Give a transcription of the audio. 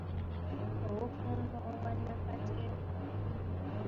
Obufumbo obwa nnakateeka.